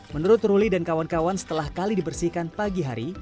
menurut ruli dan kawan kawan setelah kali dibersihkan pagi hari